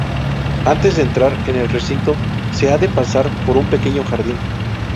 Antes de entrar en el recinto se ha de pasar por un pequeño jardín.